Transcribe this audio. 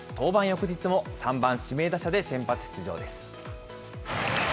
翌日も３番指名打者で先発出場です。